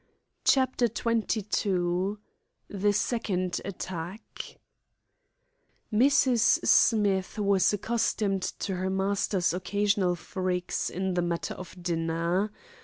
CHAPTER XXII THE SECOND ATTACK Mrs. Smith was accustomed to her master's occasional freaks in the matter of dinner.